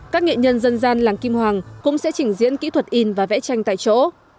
các nghệ nhân dân gian làng kim hoàng cũng sẽ trình diễn kỹ thuật in và vẽ tranh tại chỗ